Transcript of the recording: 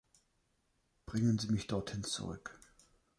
Bringen Sie mich dorthin zurück.